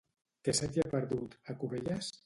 Què se t'hi ha perdut, a Cubelles?